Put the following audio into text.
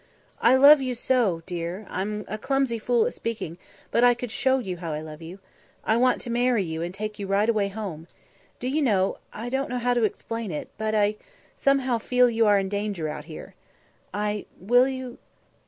"I love you so, dear! I'm a clumsy fool at speaking, but I could show you how I love you. I want to marry you and take you right away home. Do you know, I I don't know how to explain it, but I somehow feel you are in danger out here. I will you